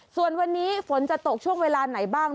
ส่วนวันนี้ฝนจะตกช่วงเวลาไหนบ้าง